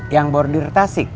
yang bordir tasik